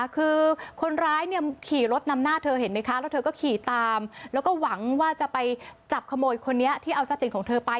คือคนร้ายเนี่ยขี่รถนำหน้าเธอเห็นไหมคะแล้วเธอก็ขี่ตามแล้วก็หวังว่าจะไปจับขโมยคนนี้ที่เอาทรัพย์สินของเธอไป